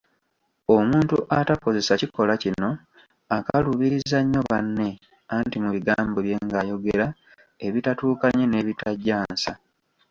Omuntu atakozesa kikolwa kino, akaluubiriza nnyo banne anti mu bigambo bye ng'ayogera ebitatuukanye n'ebitajja nsa.